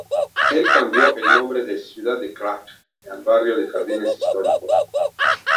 Él cambió el nombre de "Ciudad del Crack" a el Barrio de Jardines Históricos.